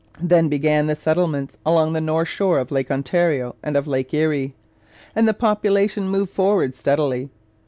Then began the settlements along the north shore of Lake Ontario and of Lake Erie, and the population moved forward steadily.